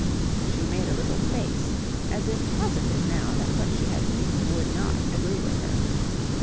She made a little face as if positive now that what she had eaten would not agree with her.